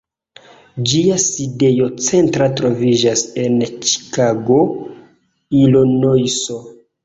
Ĝia sidejo centra troviĝas en Ĉikago, Ilinojso.